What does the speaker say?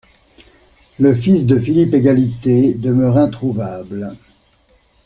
Le fils de Philippe-Égalité demeure introuvable.